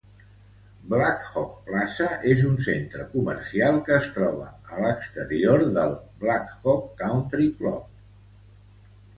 Blackhawk Plaza és un centre comercial que es troba a l'exterior del Blackhawk Country Club.